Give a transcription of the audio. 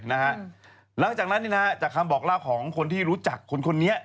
หลังจากนั้นจากคำบอกเล่าของคนที่รู้จักคนนี้